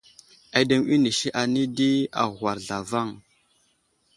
Aɗeŋw inisi anay di agwar zlavaŋ.